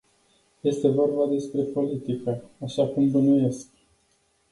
Este vorba despre politică, așa cum bănuiesc?